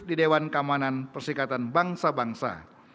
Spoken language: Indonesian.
di dewan keamanan persikatan bangsa bangsa